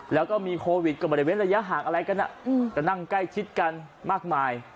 แล้วก็มีโควิดกับบริเวณระยะห่างอะไรกันอ่ะอืมก็นั่งใกล้ชิดกันมากมาย